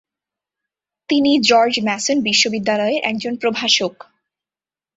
তিনি George Mason বিশ্ববিদ্যালয়ের একজন প্রভাষক।